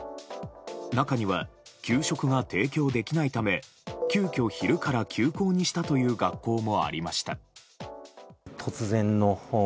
中には、給食が提供できないため急きょ昼から休校にしたという学校もありました。